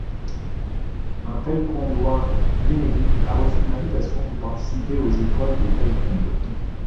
Un taekwondoin yémenite a reçu une invitation pour participer aux épreuves de Taekwondo.